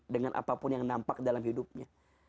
dengan apapun yang nampak dalam hidupnya